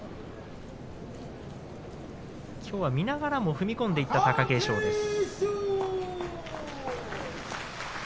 きょうは見ながらも踏み込んでいった貴景勝です。